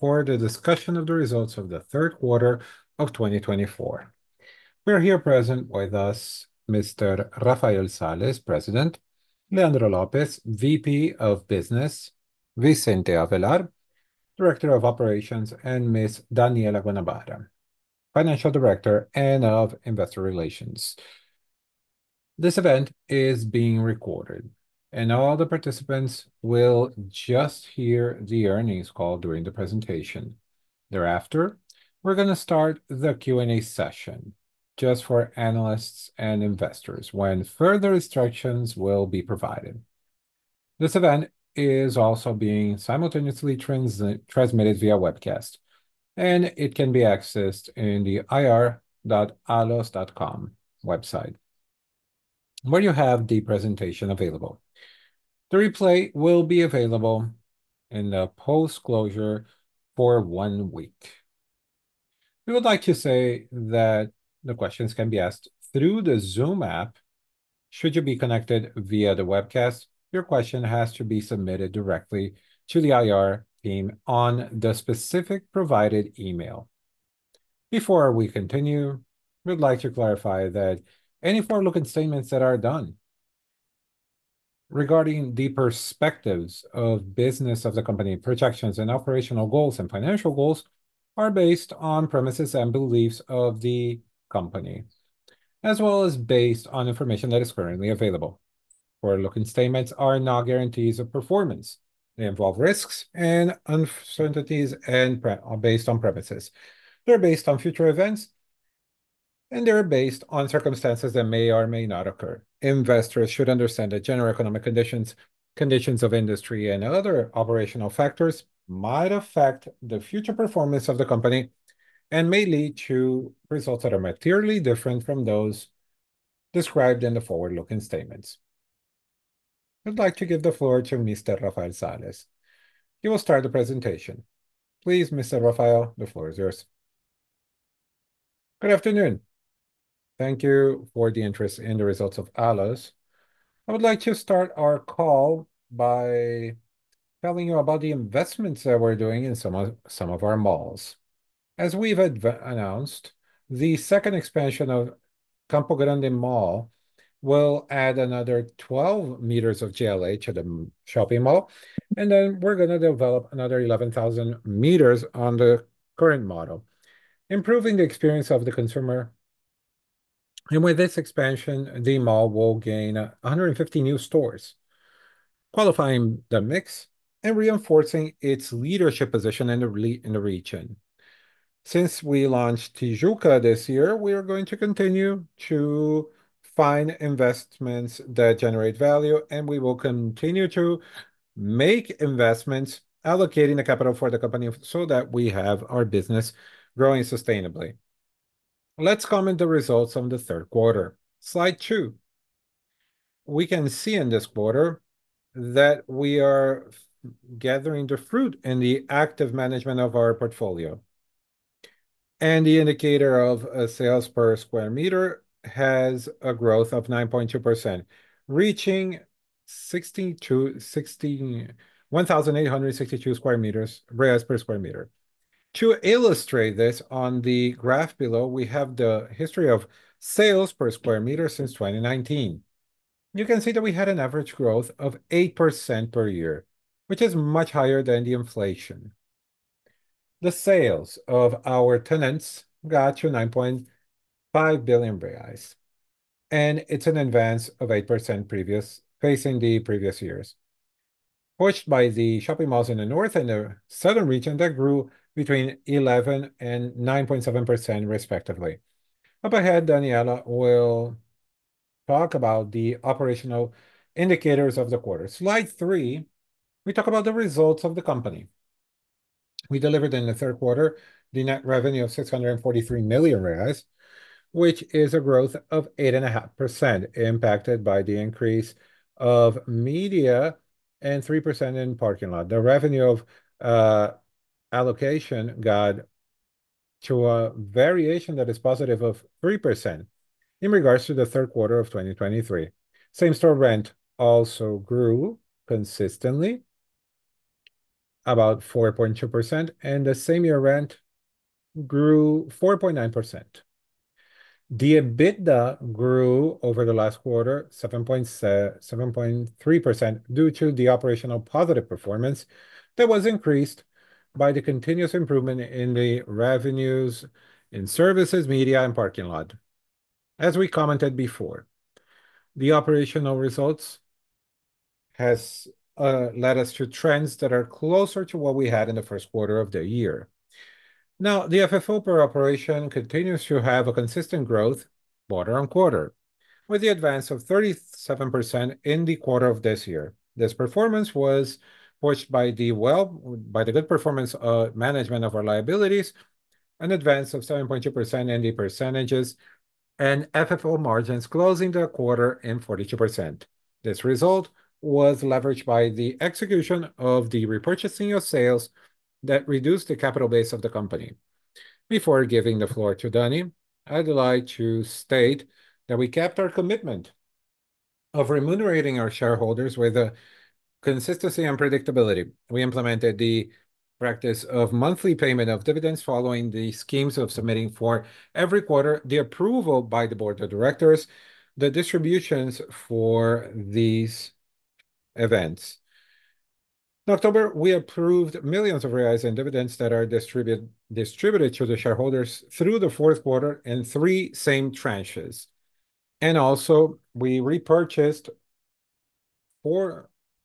For the discussion of the results of the third quarter of 2024. We are here present with us, Mr. Rafael Sales, President, Leandro Lopes, VP of Business, Vicente Avellar, Director of Operations, and Ms. Daniella Guanabara, Financial Director and of Investor Relations. This event is being recorded, and all the participants will just hear the earnings call during the presentation. Thereafter, we're going to start the Q&A session just for analysts and investors when further instructions will be provided. This event is also being simultaneously transmitted via webcast, and it can be accessed in the ri.allos.co website where you have the presentation available. The replay will be available in the post-closure for one week. We would like to say that the questions can be asked through the Zoom app. Should you be connected via the webcast, your question has to be submitted directly to the IR team on the specific provided email. Before we continue, we'd like to clarify that any forward-looking statements that are done regarding the perspectives of business of the company, projections and operational goals, and financial goals are based on premises and beliefs of the company, as well as based on information that is currently available. Forward-looking statements are not guarantees of performance. They involve risks and uncertainties and are based on premises. They're based on future events, and they're based on circumstances that may or may not occur. Investors should understand that general economic conditions, conditions of industry, and other operational factors might affect the future performance of the company and may lead to results that are materially different from those described in the forward-looking statements. I'd like to give the floor to Mr. Rafael Sales. He will start the presentation. Please, Mr. Rafael, the floor is yours. Good afternoon. Thank you for the interest in the results of Allos. I would like to start our call by telling you about the investments that we're doing in some of our malls. As we've announced, the second expansion of Campo Grande Mall will add another 12,000 meters of GLA at the shopping mall, and then we're going to develop another 11,000 meters on the current model, improving the experience of the consumer. With this expansion, the mall will gain 150 new stores, qualifying the mix and reinforcing its leadership position in the region. Since we launched Tijuca this year, we are going to continue to find investments that generate value, and we will continue to make investments, allocating the capital for the company so that we have our business growing sustainably. Let's comment on the results of the third quarter. Slide two. We can see in this quarter that we are gathering the fruit in the active management of our portfolio, and the indicator of sales per square meter has a growth of 9.2%, reaching 1,862 Reais per square meter. To illustrate this on the graph below, we have the history of sales per square meter since 2019. You can see that we had an average growth of 8% per year, which is much higher than the inflation. The sales of our tenants got to 9.5 billion reais, and it's an advance of 8% facing the previous years, pushed by the shopping malls in the north and the southern region that grew between 11% and 9.7%, respectively. Up ahead, Daniela will talk about the operational indicators of the quarter. Slide three, we talk about the results of the company. We delivered in the third quarter the net revenue of 643 million reais, which is a growth of 8.5% impacted by the increase of media and 3% in parking lot. The rental revenue got to a variation that is positive of 3% in regards to the third quarter of 2023. Same-store rent also grew consistently, about 4.2%, and the same-year rent grew 4.9%. The EBITDA grew over the last quarter, 7.7%, due to the operational positive performance that was increased by the continuous improvement in the revenues in services, media, and parking lot. As we commented before, the operational results have led us to trends that are closer to what we had in the first quarter of the year. Now, the FFO per operation continues to have a consistent growth quarter on quarter, with the advance of 37% in the quarter of this year. This performance was pushed by the good performance management of our liabilities, an advance of 7.2% in the percentages, and FFO margins closing the quarter in 42%. This result was leveraged by the execution of the repurchasing of shares that reduced the capital base of the company. Before giving the floor to Dani, I'd like to state that we kept our commitment of remunerating our shareholders with consistency and predictability. We implemented the practice of monthly payment of dividends following the schemes of submitting for every quarter the approval by the board of directors, the distributions for these events. In October, we approved millions of BRL in dividends that are distributed to the shareholders through the fourth quarter in three same tranches. And also, we repurchased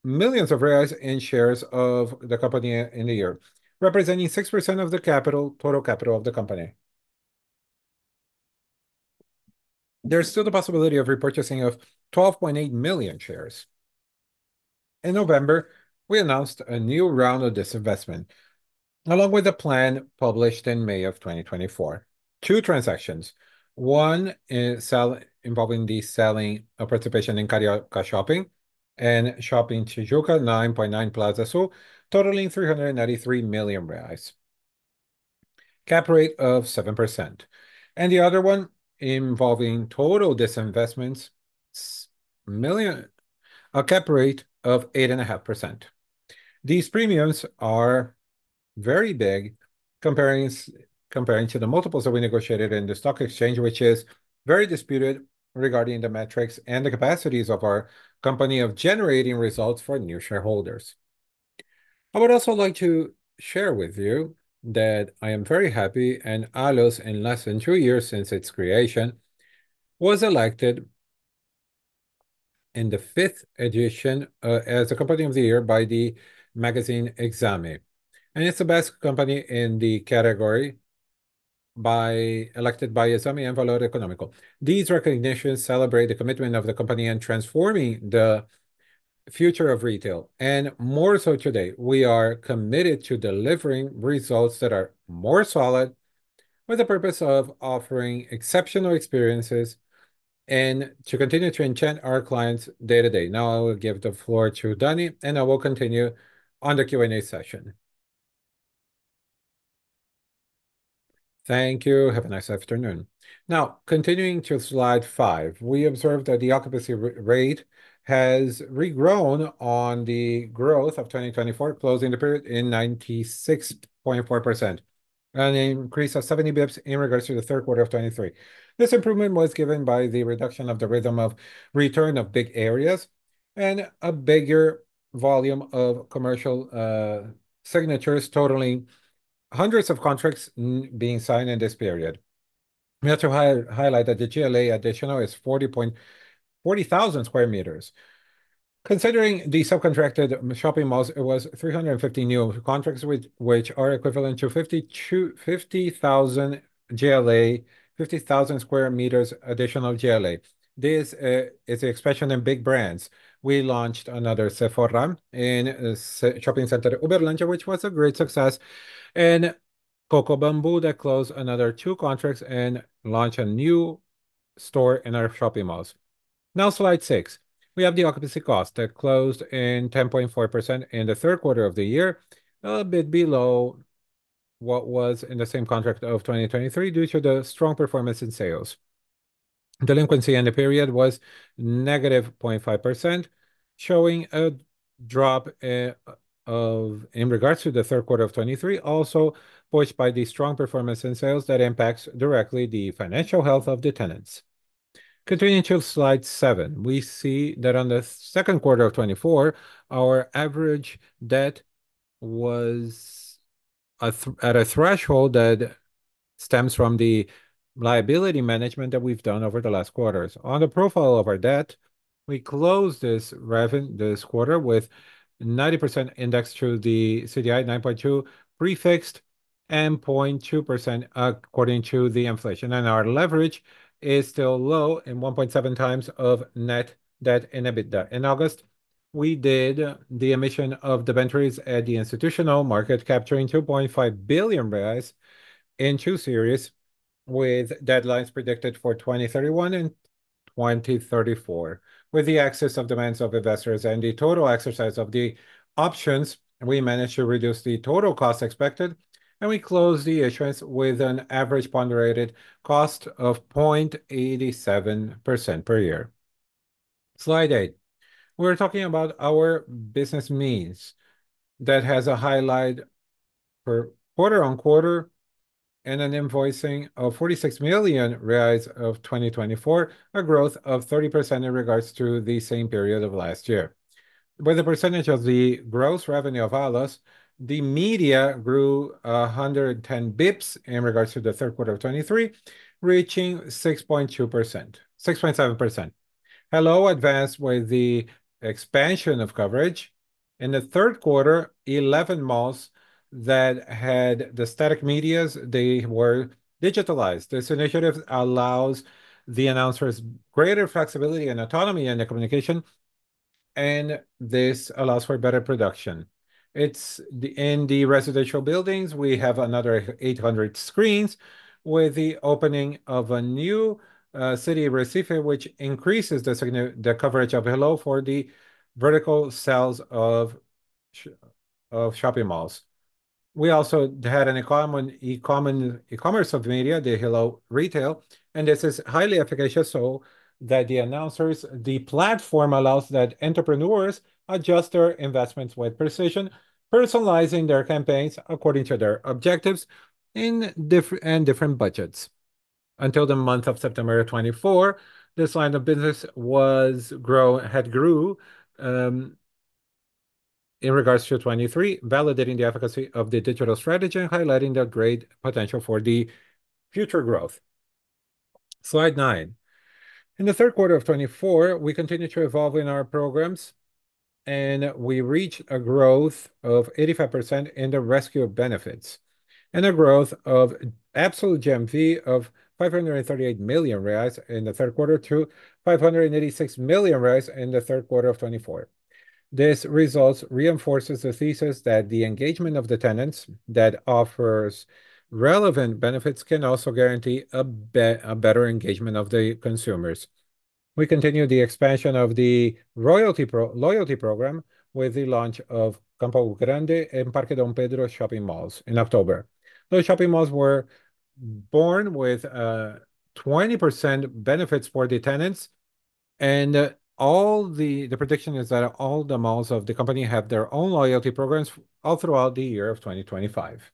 millions of BRL in shares of the company in the year, representing 6% of the total capital of the company. There's still the possibility of repurchasing of 12.8 million shares. In November, we announced a new round of this investment, along with a plan published in May of 2024. Two transactions, one involving the participation in Carioca Shopping, Shopping Tijuca and Plaza Sul, totaling 393 million reais, cap rate of 7%, and the other one involving total disinvestments, a cap rate of 8.5%. These premiums are very big comparing to the multiples that we negotiated in the stock exchange, which is very disputed regarding the metrics and the capacities of our company of generating results for new shareholders. I would also like to share with you that I am very happy that Allos, in less than two years since its creation, was elected in the fifth edition as the Company of the Year by the magazine Exame, and it's the best company in the category elected by Exame and Valor Econômico. These recognitions celebrate the commitment of the company in transforming the future of retail, and more so today. We are committed to delivering results that are more solid, with the purpose of offering exceptional experiences and to continue to enchant our clients day to day. Now, I will give the floor to Dani, and I will continue on the Q&A session. Thank you. Have a nice afternoon. Now, continuing to slide five, we observed that the occupancy rate has regrown on the growth of 2024, closing the period in 96.4%, an increase of 70 basis points in regards to the third quarter of 2023. This improvement was given by the reduction of the rhythm of return of big areas and a bigger volume of commercial signatures, totaling hundreds of contracts being signed in this period. We have to highlight that the GLA additional is 40,000 square meters. Considering the subcontracted shopping malls, it was 350 new contracts, which are equivalent to 50,000 GLA, 50,000 square meters additional GLA. This is the expression in big brands. We launched another Sephora in Center Shopping Uberlândia, which was a great success, and Coco Bambu that closed another two contracts and launched a new store in our shopping malls. Now, slide six, we have the occupancy cost that closed in 10.4% in the third quarter of the year, a bit below what was in the same quarter of 2023 due to the strong performance in sales. Delinquency in the period was negative 0.5%, showing a drop in regards to the third quarter of 2023, also pushed by the strong performance in sales that impacts directly the financial health of the tenants. Continuing to slide seven, we see that in the second quarter of 2024, our average debt was at a threshold that stems from the liability management that we've done over the last quarters. On the profile of our debt, we closed this quarter with 90% indexed to the CDI, 9.2% prefixed, 10.2% according to the inflation, and our leverage is still low in 1.7 times of net debt in EBITDA. In August, we did the emission of debentures at the institutional market, capturing 2.5 billion reais in two series with deadlines predicted for 2031 and 2034. With the excess of demands of investors and the total exercise of the options, we managed to reduce the total cost expected, and we closed the issuance with an average weighted cost of 0.87% per year. Slide eight, we're talking about our business media that has a highlight quarter on quarter and an invoicing of 46 million reais in 2024, a growth of 30% in regards to the same period of last year. With the percentage of the gross revenue of Allos, the media grew 110 basis points in regards to the third quarter of 2023, reaching 6.2%, 6.7%. Helloo advanced with the expansion of coverage. In the third quarter, 11 malls that had the static media, they were digitalized. This initiative allows the advertisers greater flexibility and autonomy in the communication, and this allows for better production. In the residential buildings, we have another 800 screens with the opening of a new city receiver, which increases the coverage of Helloo for the vertical sales of shopping malls. We also had an e-commerce of media, the Helloo Retail, and this is highly effective so that the advertisers, the platform allows that entrepreneurs adjust their investments with precision, personalizing their campaigns according to their objectives and different budgets. Until the month of September 2024, this line of business had grown in regards to 2023, validating the effectiveness of the digital strategy and highlighting the great potential for the future growth. Slide nine. In the third quarter of 2024, we continue to evolve in our programs, and we reached a growth of 85% in the rescue of benefits and a growth of absolute GMV of 538 million reais in the third quarter to 586 million reais in the third quarter of 2024. This results reinforces the thesis that the engagement of the tenants that offers relevant benefits can also guarantee a better engagement of the consumers. We continue the expansion of the loyalty program with the launch of Campo Grande and Parque D. Pedro shopping malls in October. Those shopping malls were born with 20% benefits for the tenants, and all the prediction is that all the malls of the company have their own loyalty programs all throughout the year of 2025.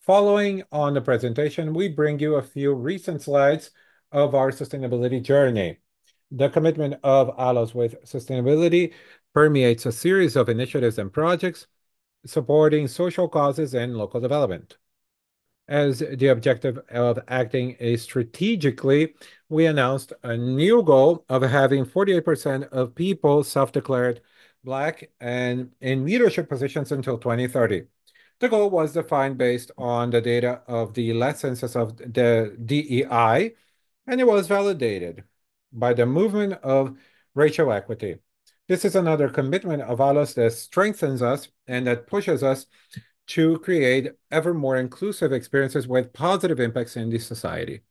Following on the presentation, we bring you a few recent slides of our sustainability journey. The commitment of Allos with sustainability permeates a series of initiatives and projects supporting social causes and local development. As the objective of acting is strategically, we announced a new goal of having 48% of people self-declared Black and in leadership positions until 2030. The goal was defined based on the data of the last census of the DEI, and it was validated by the movement of racial equity. This is another commitment of Allos that strengthens us and that pushes us to create ever more inclusive experiences with positive impacts in the society.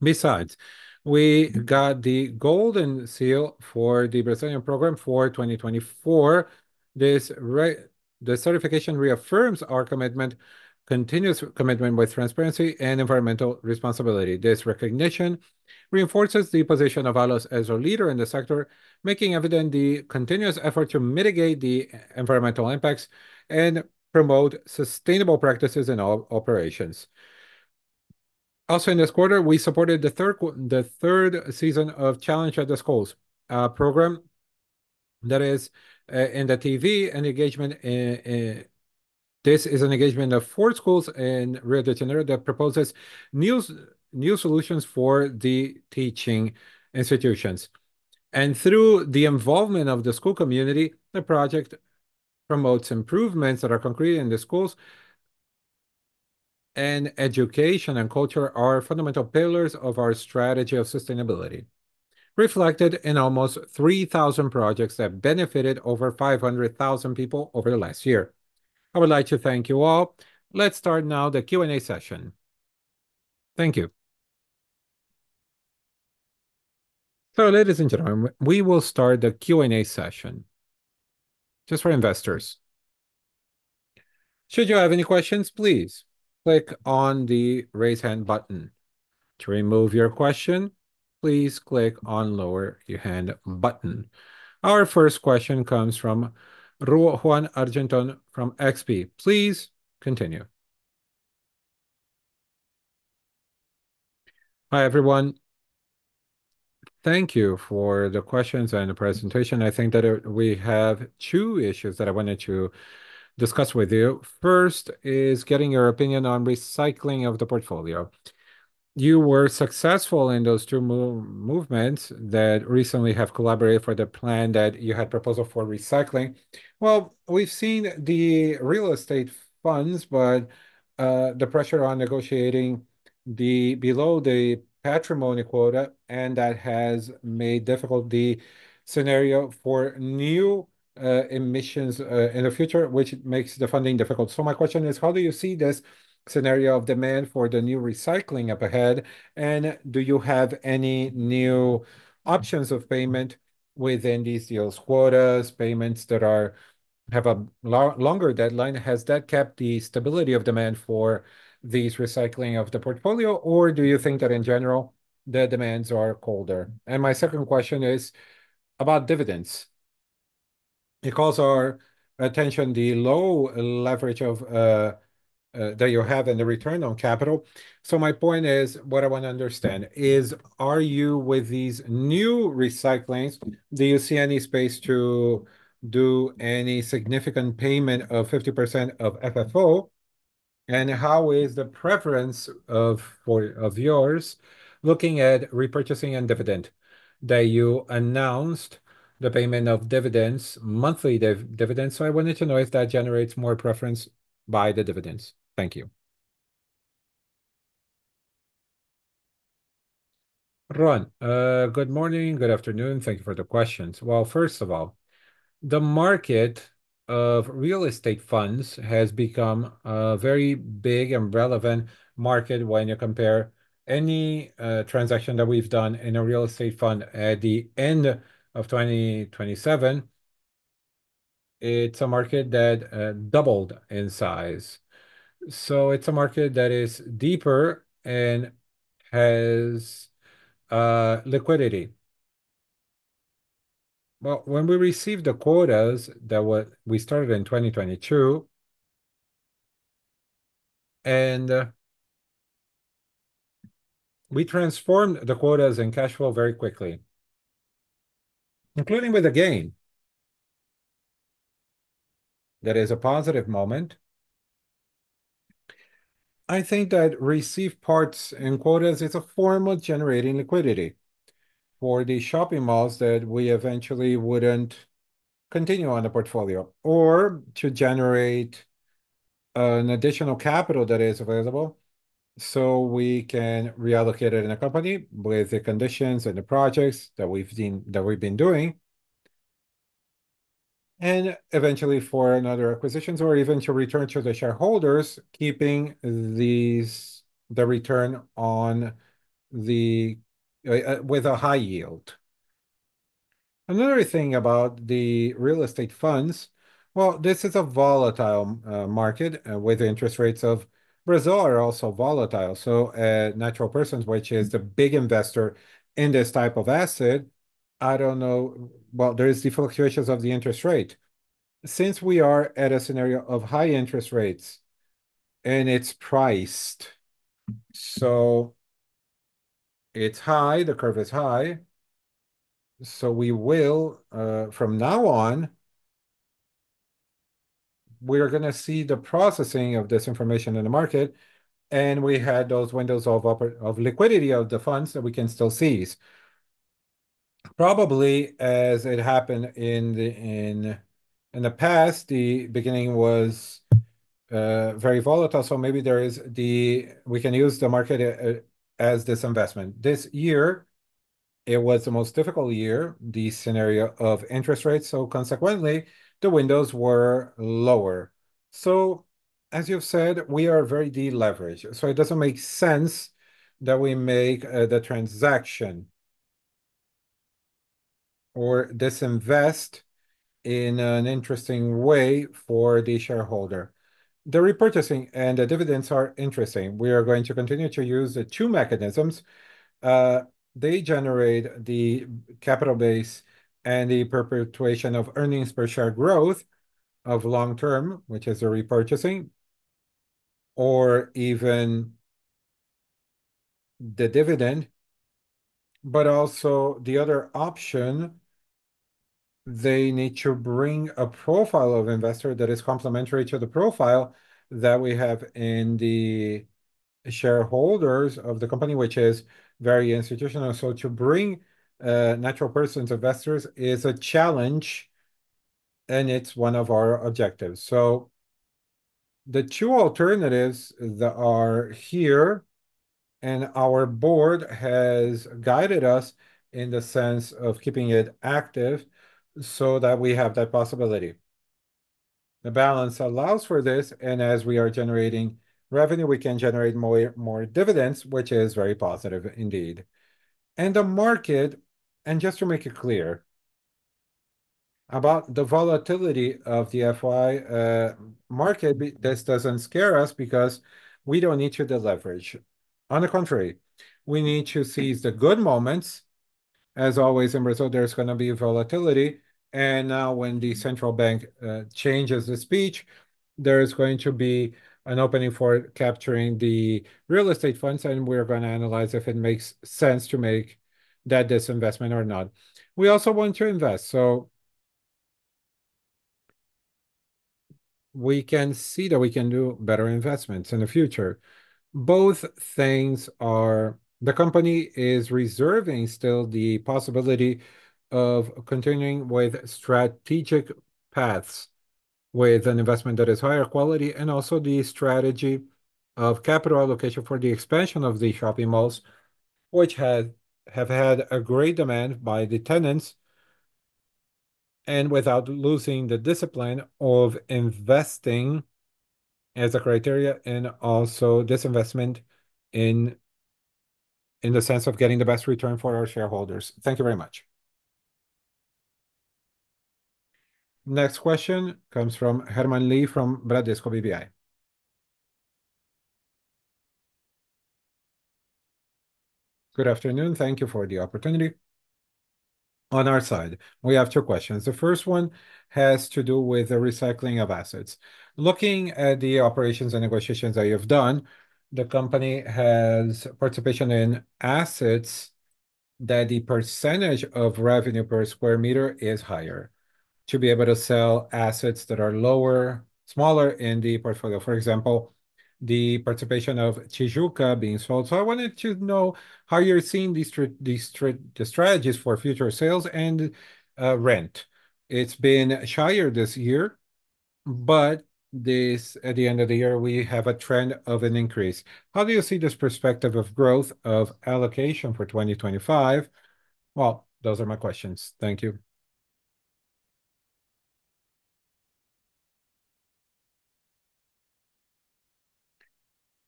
Besides, we got the golden seal for the Brazilian program for 2024. The certification reaffirms our continuous commitment with transparency and environmental responsibility. This recognition reinforces the position of Allos as a leader in the sector, making evident the continuous effort to mitigate the environmental impacts and promote sustainable practices in all operations. Also, in this quarter, we supported the third season of Challenge at the Schools program that is in the TV. This is an engagement of four schools in Rio de Janeiro that proposes new solutions for the teaching institutions, and through the involvement of the school community, the project promotes improvements that are concrete in the schools, and education and culture are fundamental pillars of our strategy of sustainability, reflected in almost 3,000 projects that benefited over 500,000 people over the last year. I would like to thank you all. Let's start now the Q&A session. Thank you, so ladies and gentlemen, we will start the Q&A session just for investors. Should you have any questions, please click on the raise hand button. To remove your question, please click on the lower your hand button. Our first question comes from Ruan Argenton from XP. Please continue. Hi, everyone. Thank you for the questions and the presentation. I think that we have two issues that I wanted to discuss with you. First is getting your opinion on recycling of the portfolio. You were successful in those two movements that recently have collaborated for the plan that you had proposed for recycling. Well, we've seen the real estate funds, but the pressure on negotiating the below the patrimonial quota, and that has made difficult the scenario for new emissions in the future, which makes the funding difficult. So my question is, how do you see this scenario of demand for the new recycling up ahead? And do you have any new options of payment within these deals, quotas, payments that have a longer deadline? Has that kept the stability of demand for this recycling of the portfolio, or do you think that in general, the demands are colder? And my second question is about dividends. It calls our attention the low leverage that you have in the return on capital. So my point is, what I want to understand is, are you with these new recyclings? Do you see any space to do any significant payment of 50% of FFO? And how is the preference of yours looking at repurchasing and dividend? That you announced the payment of dividends, monthly dividends. So I wanted to know if that generates more preference by the dividends. Thank you. Ruan, good morning, good afternoon. Thank you for the questions. Well, first of all, the market of real estate funds has become a very big and relevant market when you compare any transaction that we've done in a real estate fund at the end of 2027. It's a market that doubled in size. It's a market that is deeper and has liquidity. When we received the quotas that we started in 2022, and we transformed the quotas and cash flow very quickly, including with a gain. That is a positive moment. I think that receive parts and quotas is a form of generating liquidity for the shopping malls that we eventually wouldn't continue on the portfolio or to generate an additional capital that is available so we can reallocate it in a company with the conditions and the projects that we've been doing. And eventually for another acquisitions or even to return to the shareholders, keeping the return on the with a high yield. Another thing about the real estate funds. This is a volatile market with the interest rates of Brazil are also volatile. So a natural person, which is the big investor in this type of asset, I don't know, well, there is the fluctuations of the interest rate. Since we are at a scenario of high interest rates and it's priced, so it's high, the curve is high. So we will, from now on, we're going to see the processing of this information in the market. And we had those windows of liquidity of the funds that we can still seize. Probably as it happened in the past, the beginning was very volatile. So maybe there is the we can use the market as this investment. This year, it was the most difficult year, the scenario of interest rates. So consequently, the windows were lower. So as you've said, we are very deleveraged. So it doesn't make sense that we make the transaction or disinvest in an interesting way for the shareholder. The repurchasing and the dividends are interesting. We are going to continue to use the two mechanisms. They generate the capital base and the perpetuation of earnings per share growth of long term, which is the repurchasing or even the dividend. But also the other option, they need to bring a profile of investor that is complementary to the profile that we have in the shareholders of the company, which is very institutional. So to bring natural persons investors is a challenge, and it's one of our objectives. So the two alternatives that are here and our board has guided us in the sense of keeping it active so that we have that possibility. The balance allows for this, and as we are generating revenue, we can generate more dividends, which is very positive indeed. The market, and just to make it clear about the volatility of the FII market, this doesn't scare us because we don't need to deleverage. On the contrary, we need to seize the good moments. As always in Brazil, there's going to be volatility. And now when the central bank changes the speech, there is going to be an opening for capturing the real estate funds, and we're going to analyze if it makes sense to make that disinvestment or not. We also want to invest. So we can see that we can do better investments in the future. Both things are the company is reserving still the possibility of continuing with strategic paths with an investment that is higher quality and also the strategy of capital allocation for the expansion of the shopping malls, which have had a great demand by the tenants and without losing the discipline of investing as a criteria and also disinvestment in the sense of getting the best return for our shareholders. Thank you very much. Next question comes from Herman Lee from Bradesco BBI. Good afternoon. Thank you for the opportunity. On our side, we have two questions. The first one has to do with the recycling of assets. Looking at the operations and negotiations that you've done, the company has participation in assets that the percentage of revenue per square meter is higher to be able to sell assets that are lower, smaller in the portfolio. For example, the participation of Tijuca being sold. So I wanted to know how you're seeing these strategies for future sales and rent. It's been slower this year, but this at the end of the year, we have a trend of an increase. How do you see this perspective of growth of allocation for 2025? Those are my questions. Thank you.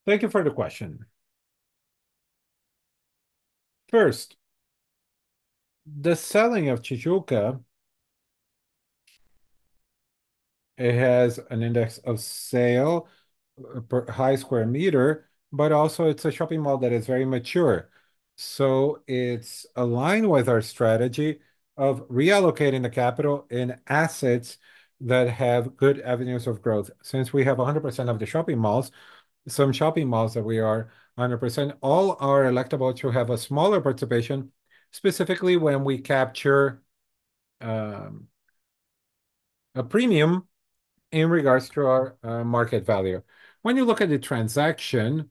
Thank you for the question. First, the selling of Tijuca, it has an index of sale per high square meter, but also it's a shopping mall that is very mature. So it's aligned with our strategy of reallocating the capital in assets that have good avenues of growth. Since we have 100% of the shopping malls, some shopping malls that we are 100%, all are eligible to have a smaller participation, specifically when we capture a premium in regards to our market value. When you look at the transaction,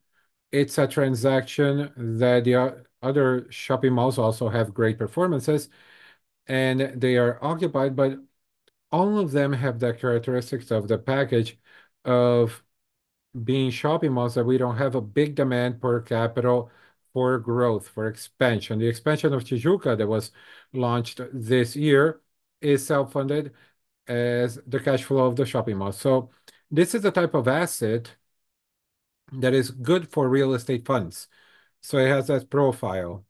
it's a transaction that the other shopping malls also have great performances, and they are occupied, but all of them have the characteristics of the package of being shopping malls that we don't have a big demand per capita for growth, for expansion. The expansion of Tijuca that was launched this year is self-funded as the cash flow of the shopping mall, so this is the type of asset that is good for real estate funds, so it has that profile.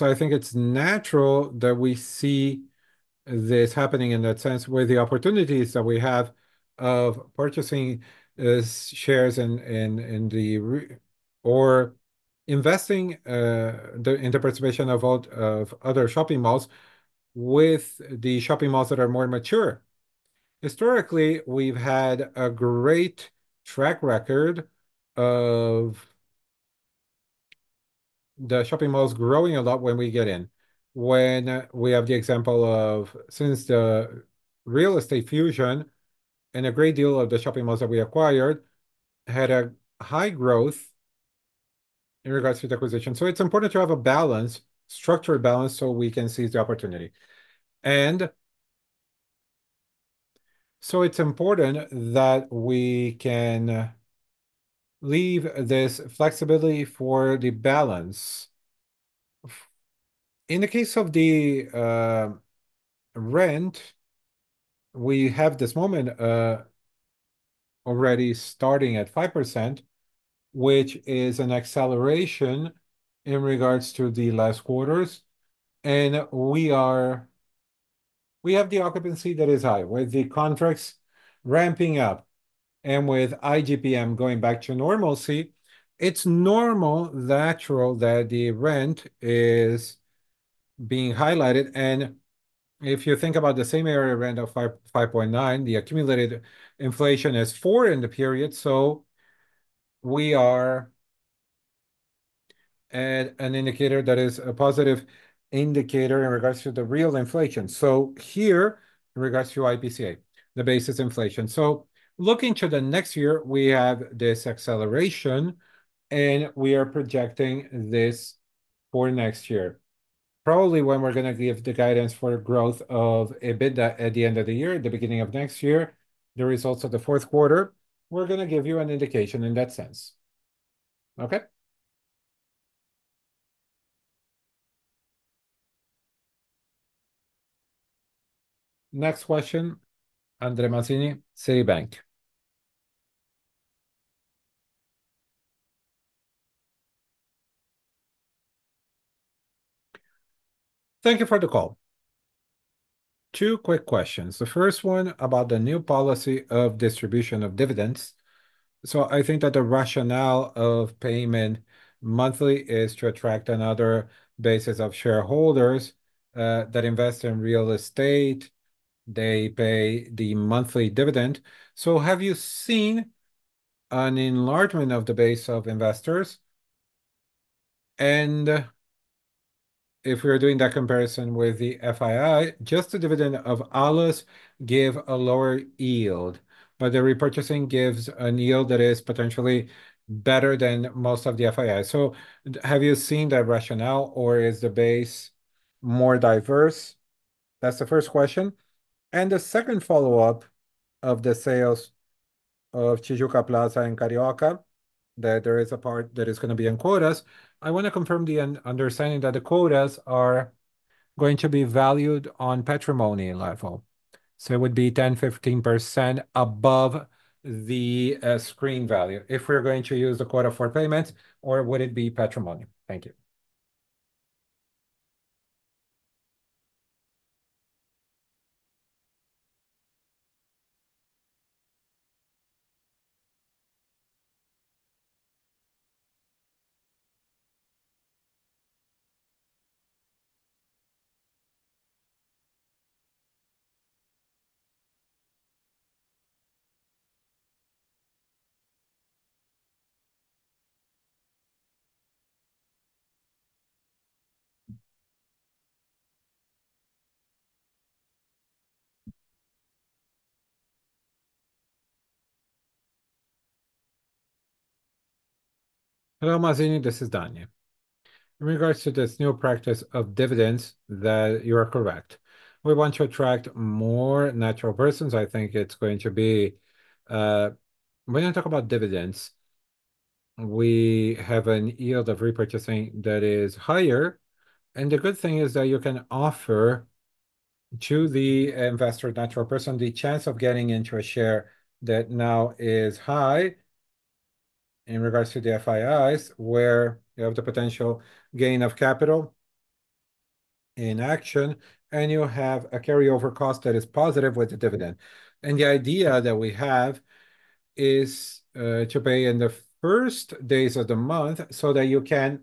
I think it's natural that we see this happening in that sense where the opportunities that we have of purchasing shares in the or investing in the participation of other shopping malls with the shopping malls that are more mature. Historically, we've had a great track record of the shopping malls growing a lot when we get in. When we have the example of since the real estate merger and a great deal of the shopping malls that we acquired had a high growth in regards to the acquisition, so it's important to have a balance, structured balance, so we can seize the opportunity, and so it's important that we can leave this flexibility for the balance. In the case of the rent, we have this moment already starting at 5%, which is an acceleration in regards to the last quarters, and we have the occupancy that is high with the contracts ramping up and with IGPM going back to normalcy. It's normal, natural that the rent is being highlighted, and if you think about the same-store rent of 5.9%, the accumulated inflation is 4% in the period, so we are at an indicator that is a positive indicator in regards to the real inflation. So here in regards to IPCA, the basis inflation. So looking to the next year, we have this acceleration and we are projecting this for next year. Probably when we're going to give the guidance for growth of EBITDA at the end of the year, at the beginning of next year, the results of the fourth quarter, we're going to give you an indication in that sense. Okay. Next question, André Mazini, Citibank. Thank you for the call. Two quick questions. The first one about the new policy of distribution of dividends. So I think that the rationale of payment monthly is to attract another basis of shareholders that invest in real estate. They pay the monthly dividend. So have you seen an enlargement of the base of investors? If we are doing that comparison with the FII, just the dividend of Allos gives a lower yield, but the repurchasing gives a yield that is potentially better than most of the FII. Have you seen that rationale or is the base more diverse? That's the first question. The second follow-up of the sales of Tijuca, Plaza Sul, Carioca, that there is a part that is going to be in quotas. I want to confirm the understanding that the quotas are going to be valued on patrimony level. So it would be 10-15% above the screen value. If we're going to use the quota for payments, or would it be patrimony? Thank you. Hello, Mazini. This is Daniela. In regards to this new practice of dividends, that you are correct. We want to attract more natural persons. I think it's going to be, when I talk about dividends, we have a yield of repurchasing that is higher. And the good thing is that you can offer to the investor natural person the chance of getting into a share that now is high in regards to the FIIs where you have the potential gain of capital in action and you have a carryover cost that is positive with the dividend. And the idea that we have is to pay in the first days of the month so that you can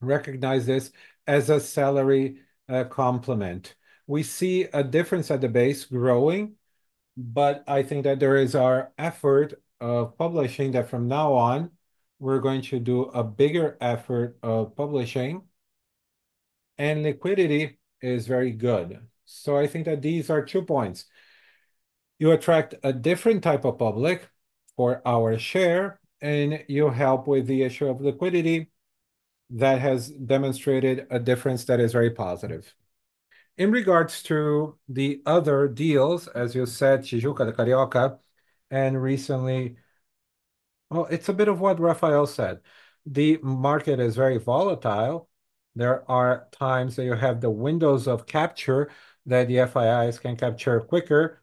recognize this as a salary complement. We see a difference at the base growing, but I think that there is our effort of publishing that from now on, we're going to do a bigger effort of publishing. And liquidity is very good. So I think that these are two points. You attract a different type of public for our share and you help with the issue of liquidity that has demonstrated a difference that is very positive. In regards to the other deals, as you said, Tijuca, the Carioca, and recently, well, it's a bit of what Rafael said. The market is very volatile. There are times that you have the windows of capture that the FIIs can capture quicker,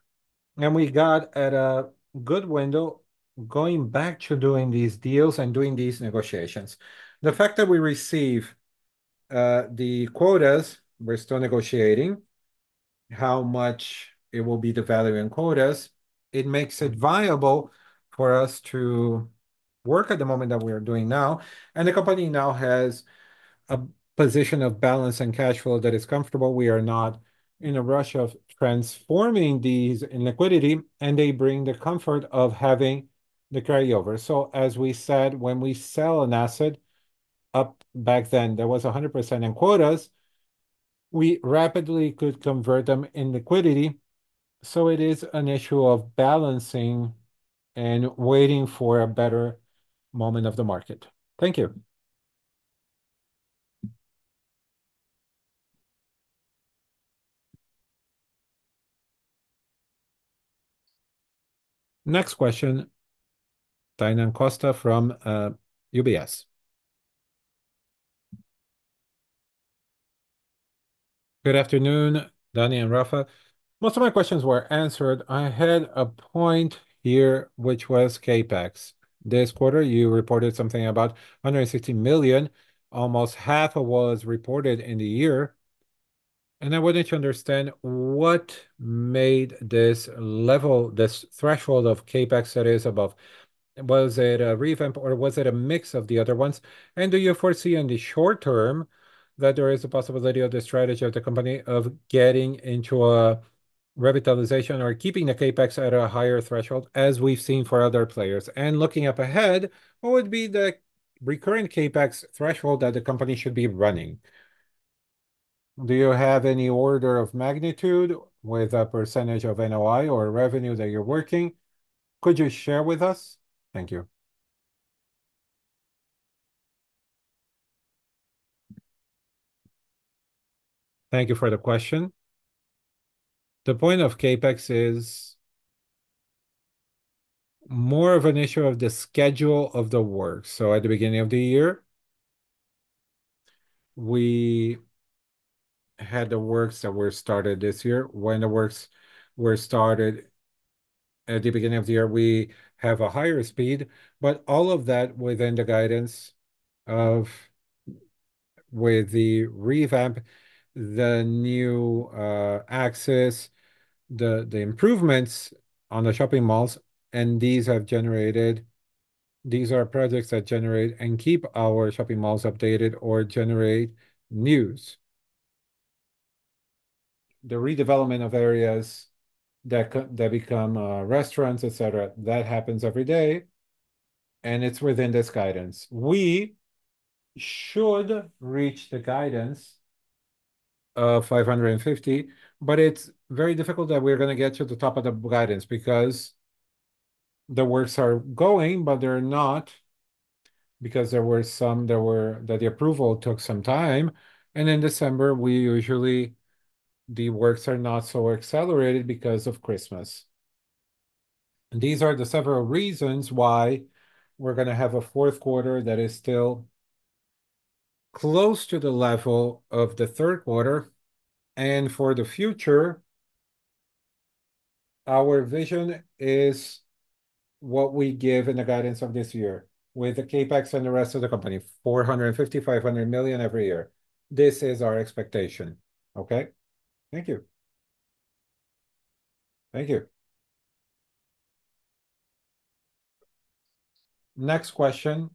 and we got at a good window going back to doing these deals and doing these negotiations. The fact that we receive the quotas, we're still negotiating how much it will be the value in quotas. It makes it viable for us to work at the moment that we are doing now, and the company now has a position of balance and cash flow that is comfortable. We are not in a rush of transforming these in liquidity, and they bring the comfort of having the carryover. So as we said, when we sell an asset up back then, there was 100% in quotas, we rapidly could convert them in liquidity. So it is an issue of balancing and waiting for a better moment of the market. Thank you. Next question, Diane Costa from UBS. Good afternoon, Dani and Rafa. Most of my questions were answered. I had a point here, which was CapEx. This quarter, you reported something about 160 million. Almost half of what was reported in the year. And I wanted to understand what made this level, this threshold of CapEx that is above. Was it a revamp or was it a mix of the other ones? Do you foresee in the short term that there is a possibility of the strategy of the company of getting into a revitalization or keeping the CapEx at a higher threshold as we've seen for other players? And looking up ahead, what would be the recurrent CapEx threshold that the company should be running? Do you have any order of magnitude with a percentage of NOI or revenue that you're working? Could you share with us? Thank you. Thank you for the question. The point of CapEx is more of an issue of the schedule of the work. At the beginning of the year, we had the works that were started this year. When the works were started at the beginning of the year, we have a higher speed, but all of that within the guidance of with the revamp, the new access, the improvements on the shopping malls, and these have generated these are projects that generate and keep our shopping malls updated or generate news. The redevelopment of areas that become restaurants, et cetera, that happens every day. And it's within this guidance. We should reach the guidance of 550, but it's very difficult that we're going to get to the top of the guidance because the works are going, but they're not because there were some that the approval took some time. And in December, we usually the works are not so accelerated because of Christmas. These are the several reasons why we're going to have a fourth quarter that is still close to the level of the third quarter. For the future, our vision is what we give in the guidance of this year with the CapEx and the rest of the company, 450-500 million every year. This is our expectation. Okay? Thank you. Thank you. Next question,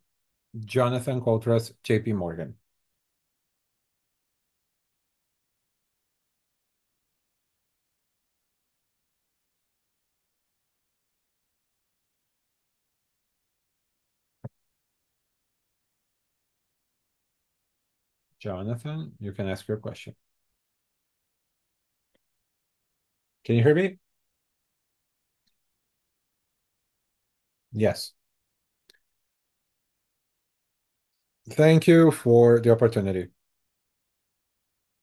Jonathan Koutras, JP Morgan. Jonathan, you can ask your question. Can you hear me? Yes. Thank you for the opportunity.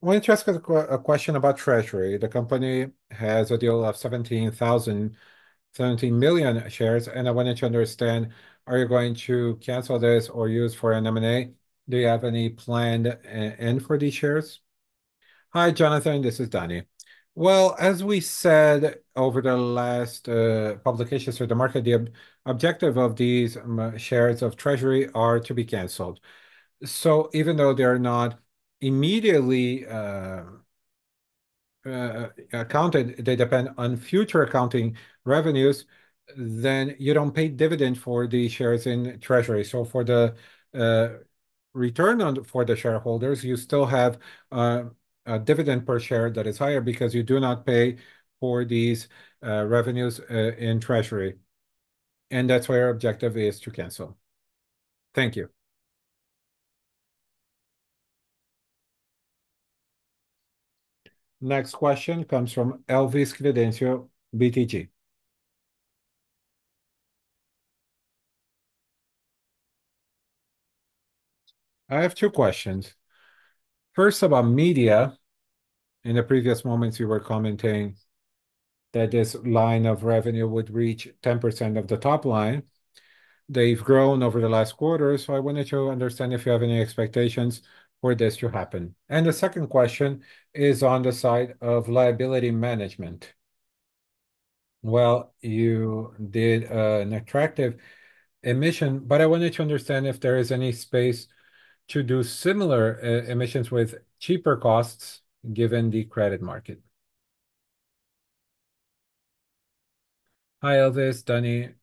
I wanted to ask a question about Treasury. The company has a deal of 17,000, 17 million shares, and I wanted to understand, are you going to cancel this or use for an M&A? Do you have any planned end for these shares? Hi, Jonathan, this is Dani. Well, as we said over the last publications to the market, the objective of these shares of Treasury are to be canceled. So even though they are not immediately accounted, they depend on future accounting revenues, then you don't pay dividend for the shares in Treasury. So for the return on for the shareholders, you still have a dividend per share that is higher because you do not pay for these revenues in Treasury. And that's why our objective is to cancel. Thank you. Next question comes from Elvis Credendio, BTG. I have two questions. First, about media. In the previous moments, you were commenting that this line of revenue would reach 10% of the top line. They've grown over the last quarter, so I wanted to understand if you have any expectations for this to happen. And the second question is on the side of liability management. You did an attractive emission, but I wanted to understand if there is any space to do similar emissions with cheaper costs given the credit market. Hi, Elvis, Dani.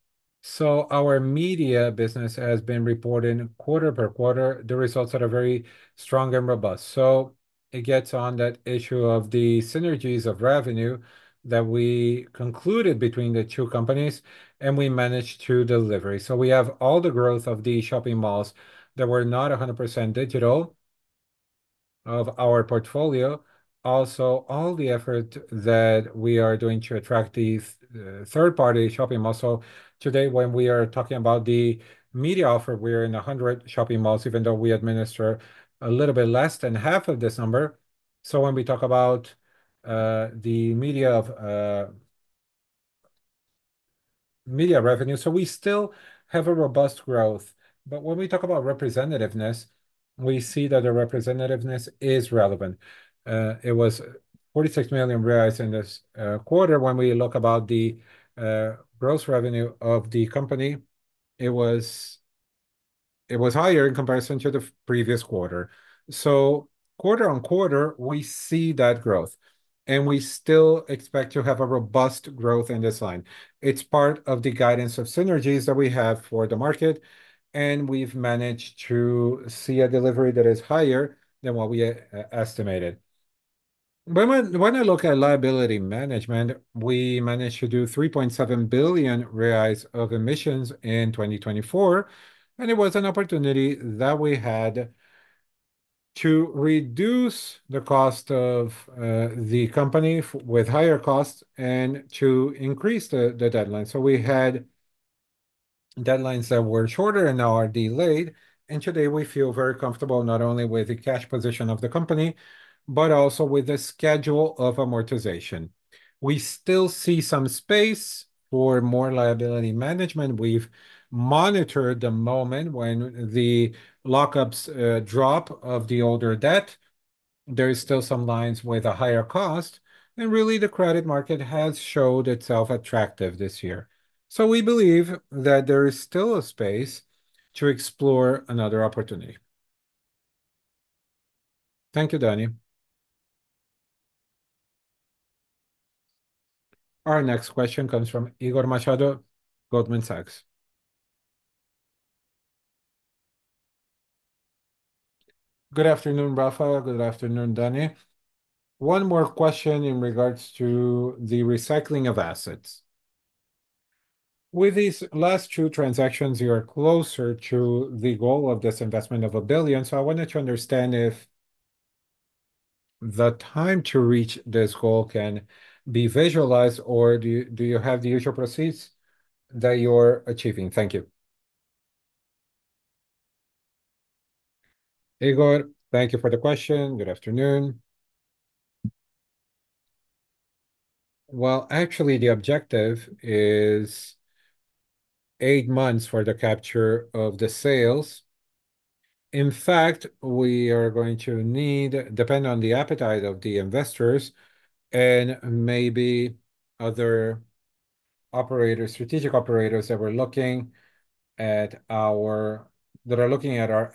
So our media business has been reporting quarter per quarter the results that are very strong and robust. So it gets on that issue of the synergies of revenue that we concluded between the two companies and we managed to deliver. So we have all the growth of the shopping malls that were not 100% digital of our portfolio. Also, all the effort that we are doing to attract these third-party shopping malls. So today, when we are talking about the media offer, we're in 100 shopping malls, even though we administer a little bit less than half of this number. So when we talk about the media of media revenue, so we still have a robust growth. But when we talk about representativeness, we see that the representativeness is relevant. It was 46 million reais in this quarter. When we look about the gross revenue of the company, it was higher in comparison to the previous quarter, so quarter on quarter, we see that growth, and we still expect to have a robust growth in this line. It's part of the guidance of synergies that we have for the market, and we've managed to see a delivery that is higher than what we estimated. When I look at liability management, we managed to do 3.7 billion reais of emissions in 2024, and it was an opportunity that we had to reduce the cost of the company with higher costs and to increase the deadline, so we had deadlines that were shorter and now are delayed. Today, we feel very comfortable not only with the cash position of the company, but also with the schedule of amortization. We still see some space for more liability management. We've monitored the moment when the lockups drop of the older debt. There are still some lines with a higher cost. And really, the credit market has shown itself attractive this year. So we believe that there is still a space to explore another opportunity. Thank you, Dani. Our next question comes from Igor Machado, Goldman Sachs. Good afternoon, Rafa. Good afternoon, Dani. One more question in regards to the recycling of assets. With these last two transactions, you are closer to the goal of this investment of a billion. So I wanted to understand if the time to reach this goal can be visualized, or do you have the usual proceeds that you're achieving? Thank you. Igor, thank you for the question. Good afternoon. Actually, the objective is eight months for the capture of the sales. In fact, we are going to need, depending on the appetite of the investors and maybe other operators, strategic operators that are looking at our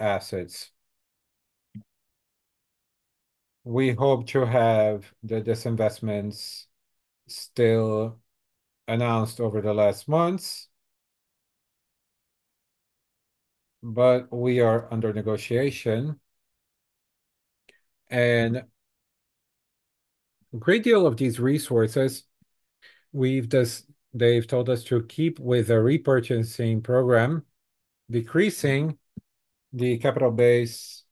assets. We hope to have this investment still announced over the last months, but we are under negotiation. A great deal of these resources, they've told us to keep with the repurchasing program, decreasing the capital base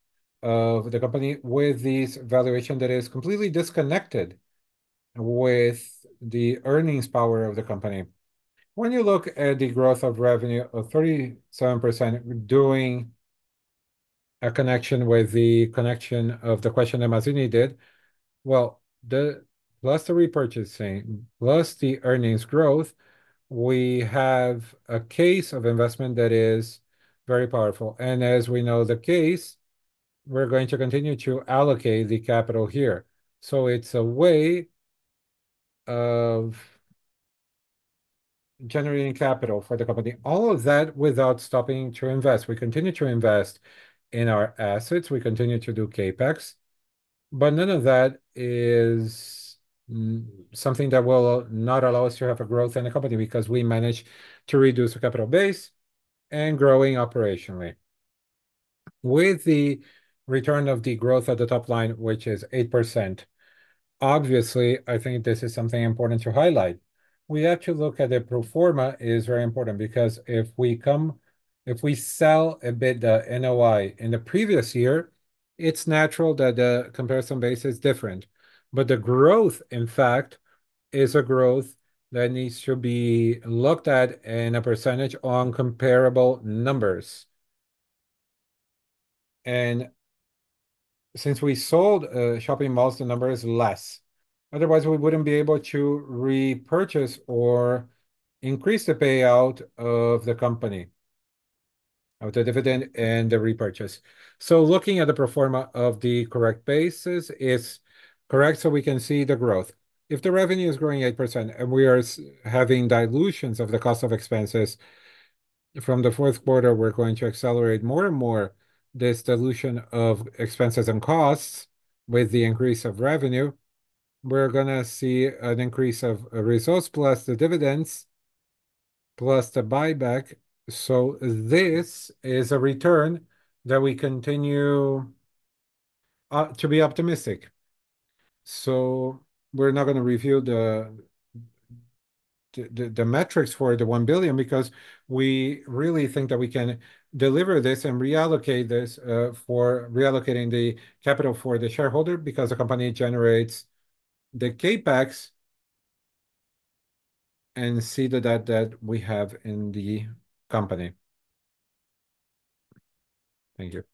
of the company with this valuation that is completely disconnected with the earnings power of the company. When you look at the growth of revenue of 37% doing a connection with the question that Meloni did, plus the repurchasing, plus the earnings growth, we have a case of investment that is very powerful. As we know the case, we're going to continue to allocate the capital here. It's a way of generating capital for the company. All of that without stopping to invest. We continue to invest in our assets. We continue to do CapEx. None of that is something that will not allow us to have a growth in the company because we manage to reduce the capital base and growing operationally. With the return of the growth at the top line, which is 8%. Obviously, I think this is something important to highlight. We have to look at the pro forma is very important because if we sell a bit the NOI in the previous year, it's natural that the comparison base is different. The growth, in fact, is a growth that needs to be looked at in a percentage on comparable numbers. And since we sold shopping malls, the number is less. Otherwise, we wouldn't be able to repurchase or increase the payout of the company of the dividend and the repurchase. So looking at the pro forma of the correct basis, it's correct. So we can see the growth. If the revenue is growing 8% and we are having dilutions of the cost of expenses from the fourth quarter, we're going to accelerate more and more this dilution of expenses and costs with the increase of revenue. We're going to see an increase of results plus the dividends plus the buyback. So this is a return that we continue to be optimistic. So we're not going to review the metrics for the 1 billion because we really think that we can deliver this and reallocate this for reallocating the capital for the shareholder because the company generates the CapEx and see the debt that we have in the company. Thank you.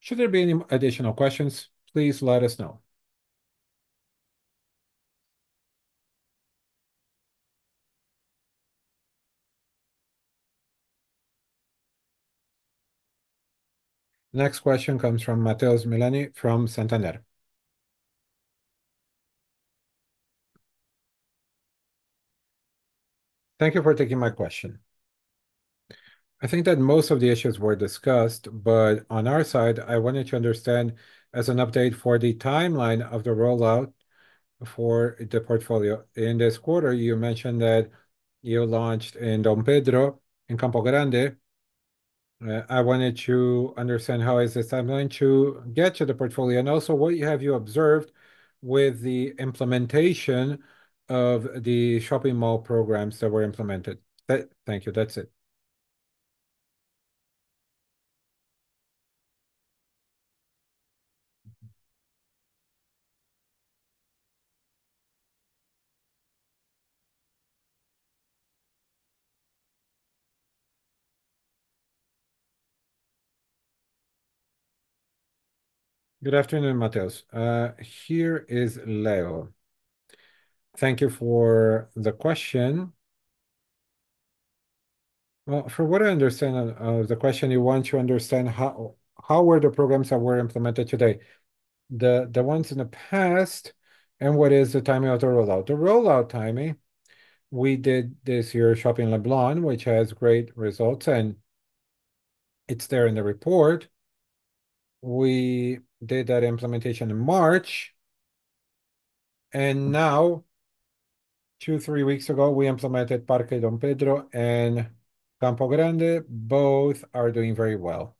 Should there be any additional questions, please let us know. Next question comes from Matheus Meloni from Santander. Thank you for taking my question. I think that most of the issues were discussed, but on our side, I wanted to understand as an update for the timeline of the rollout for the portfolio. In this quarter, you mentioned that you launched in D. Pedro in Campo Grande. I wanted to understand how is this timeline to get to the portfolio and also what have you observed with the implementation of the shopping mall programs that were implemented. Thank you. That's it. Good afternoon, Matheus. Here is Leandro. Thank you for the question. From what I understand of the question, you want to understand how were the programs that were implemented today, the ones in the past, and what is the timing of the rollout? The rollout timing, we did this year Shopping Leblon, which has great results, and it's there in the report. We did that implementation in March. And now, two, three weeks ago, we implemented Parque D. Pedro and Campo Grande. Both are doing very well.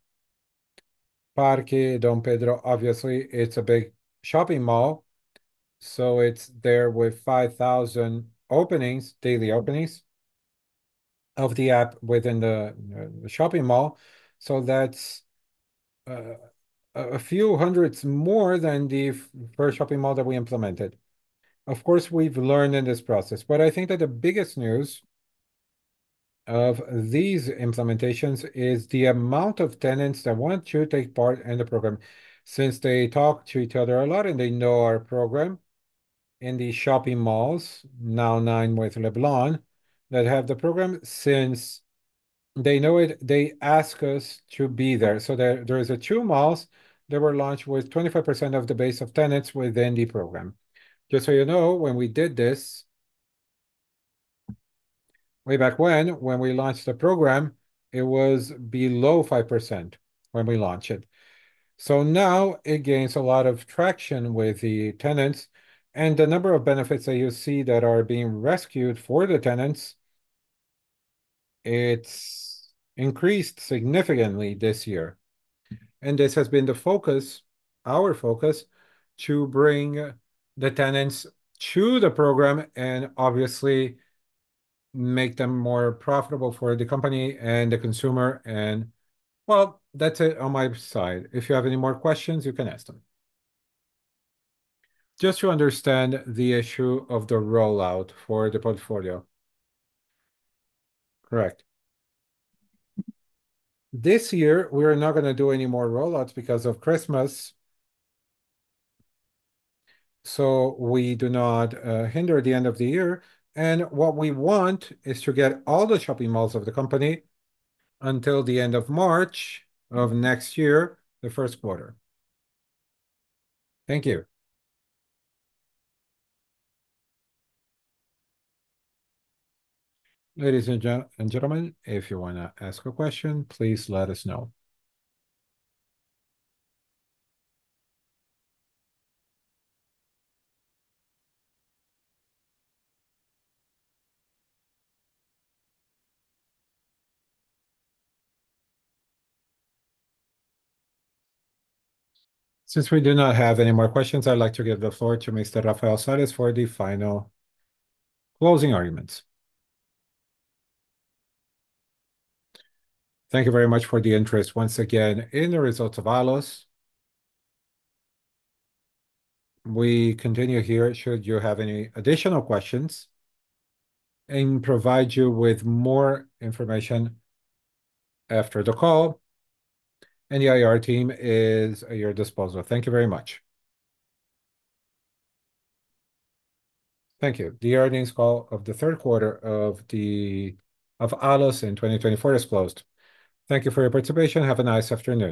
Parque D. Pedro, obviously, it's a big shopping mall. So it's there with 5,000 openings, daily openings of the app within the shopping mall. So that's a few hundreds more than the first shopping mall that we implemented. Of course, we've learned in this process. But I think that the biggest news of these implementations is the amount of tenants that want to take part in the program. Since they talk to each other a lot and they know our program in the shopping malls, now nine with Leblon that have the program, since they know it, they ask us to be there. So there are two malls that were launched with 25% of the base of tenants within the program. Just so you know, when we did this way back when, when we launched the program, it was below 5% when we launched it. So now it gains a lot of traction with the tenants. And the number of benefits that you see that are being rescued for the tenants, it's increased significantly this year. This has been the focus, our focus, to bring the tenants to the program and obviously make them more profitable for the company and the consumer. That's it on my side. If you have any more questions, you can ask them. Just to understand the issue of the rollout for the portfolio. Correct. This year, we are not going to do any more rollouts because of Christmas. We do not hinder the end of the year. What we want is to get all the shopping malls of the company until the end of March of next year, the first quarter. Thank you. Ladies and gentlemen, if you want to ask a question, please let us know. Since we do not have any more questions, I'd like to give the floor to Mr. Rafael Sales for the final closing arguments. Thank you very much for the interest once again in the results of Allos. We continue here should you have any additional questions and provide you with more information after the call, and the IR team is at your disposal. Thank you very much. Thank you. The earnings call of the third quarter of Allos in 2024 is closed. Thank you for your participation. Have a nice afternoon.